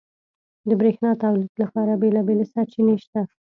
• د برېښنا تولید لپاره بېلابېلې سرچینې شته.